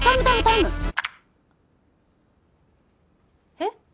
えっ？